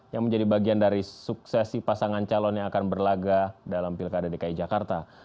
yang menjadi bagian dari suksesi pasangan calon yang akan berlaga dalam pilkada dki jakarta